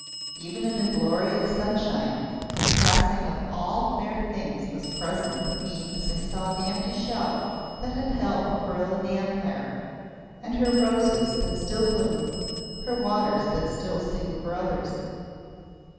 Even in the glory of sunshine the passing of all fair things was present with me as I saw the empty shell that had held the Pearl of Empire, and her roses that still bloom, her waters that still sing for others.